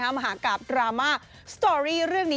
มหากราบดราม่าสตอรี่เรื่องนี้